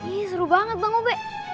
iya seru banget bang obe